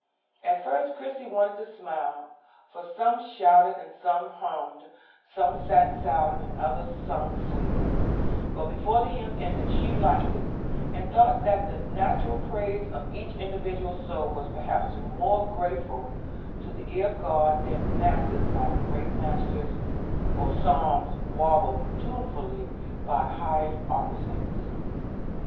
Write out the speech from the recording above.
At first, Christie wanted to smile, for some shouted and some hummed, some sat silent, and others sung sweetly; but before the hymn ended she liked it, and thought that the natural praise of each individual soul was perhaps more grateful to the ear of God than masses by great masters, or psalms warbled tunefully by hired opera singers.